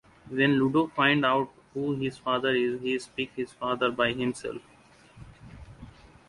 When Ludo finds out who his father is, he seeks his father by himself.